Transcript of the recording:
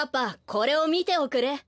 これをみておくれ。